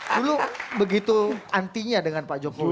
dulu begitu anti nya dengan pak jokowi